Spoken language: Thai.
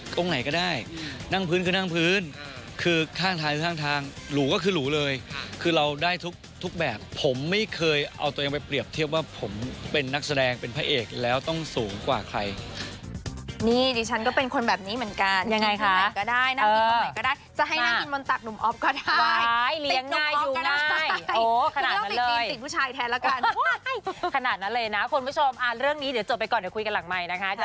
ขนาดนั้นเลยนะคนผู้ชมอ่านเรื่องนี้เดี๋ยวจบไปก่อนเดี๋ยวคุยกันหลังไมค์นะคะ